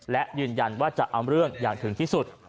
และยืนยันว่าจะเอาเรื่องอย่างถึงที่สุด